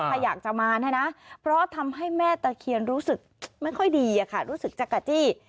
ถ้าอยากจะมาเนี่ยนะเพราะทำให้แม่ตะเคียนรู้สึกไม่ค่อยดีอะค่ะรู้สึกจะกะจี้